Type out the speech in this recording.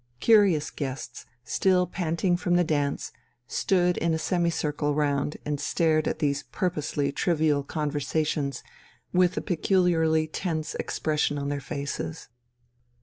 Curious guests, still panting from the dance, stood in a semicircle round and stared at these purposely trivial conversations with a peculiarly tense expression on their faces.